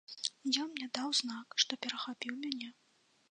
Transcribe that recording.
Ён мне даў знак, што перахапіў мяне.